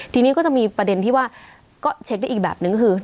ทีนี้ก็จะมีประเด็นที่ว่าก็เช็คได้อีกแบบนึงคือ